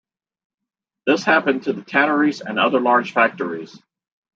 This happened to the tanneries and other large factories.